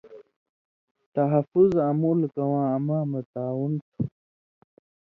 تحفظ آں مُلکہ واں اما مہ تعاون تُھو۔